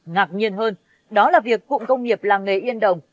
ngạc nhiên hơn đó là việc cụm công nghiệp làng nghề yên đồng